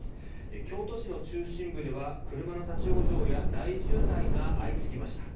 京都市の中心部では車の立ち往生や大渋滞が相次ぎました。